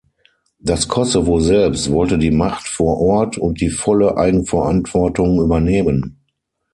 Das Kosovo selbst sollte die Macht vor Ort und die volle Eigenverantwortung übernehmen.